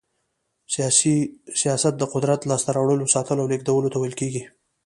سياست د قدرت لاسته راوړلو، ساتلو او لېږدولو ته ويل کېږي.